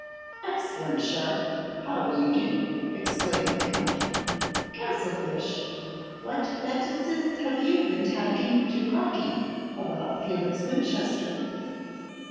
'Excellent Sharpe, how do you do?' exclaimed the Count. 'Castlefyshe, what bêtises have you been talking to Crocky about Felix Winchester?